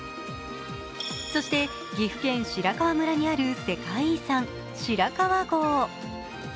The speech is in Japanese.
そして岐阜県白川村にある世界遺産、白川郷。